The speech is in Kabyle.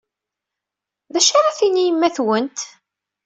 D acu ara d-tini yemma-twent?